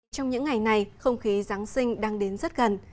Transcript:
trong những ngày này không khí giáng sinh đang đến rất gần